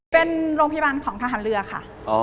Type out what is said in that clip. เป็นโรงพยาบาลของทหารเรือค่ะ